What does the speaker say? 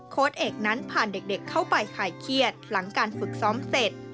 เอกนั้นผ่านเด็กเข้าไปขายเครียดหลังการฝึกซ้อมเสร็จ